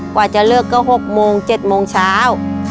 กว่าจะเลือกก็หกโมงเจ็ดโมงเช้า